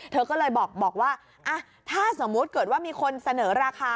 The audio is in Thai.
เธอก็เลยบอกว่าถ้าสมมุติเกิดว่ามีคนเสนอราคา